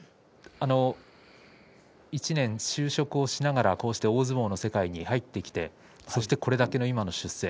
１年、就職をしながらこうして大相撲の世界に入ってきてそしてこれだけの今の出世。